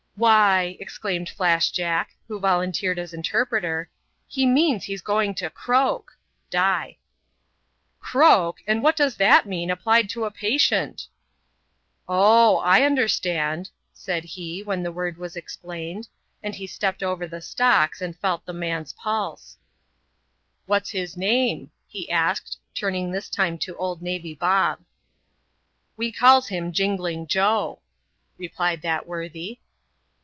Why," exclaimed Flash Jack, who volunteered as inter preter, " he means he's going to croak " (die). " CroaA / and what does that mean, appUed. to «i. ^^^asi&l^ * K 4 186 ADVENTURES IN THE SOUTH SEAS. TcHAift mv. " Oh! I understand," said he, when the word was explained; and he stepped over the stocks, and felt the man's pulse. " What's his name ?" he asked, turning this time to old Navy Bob. " We calls him Jingling Joe," replied that worthy.